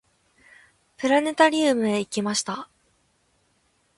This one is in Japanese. プラネタリウムへ行きました。